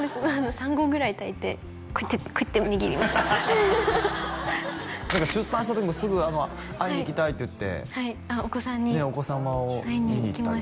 ３合ぐらい炊いてこうやってこうやって握りました何か出産した時もすぐ会いに行きたいって言ってお子さんに会いに行きましたね